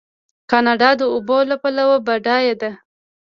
کاناډا د اوبو له پلوه بډایه ده.